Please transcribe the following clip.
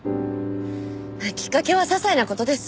きっかけはささいな事です。